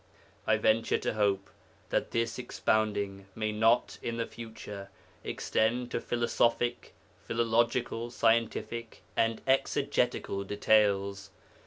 I venture to hope that this 'expounding' may not, in the future, extend to philosophic, philological, scientific, and exegetical details.